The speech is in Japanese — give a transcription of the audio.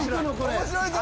面白いぞ。